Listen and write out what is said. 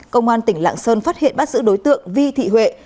công an tỉnh lạng sơn phát hiện bắt giữ đối tượng vi thị huệ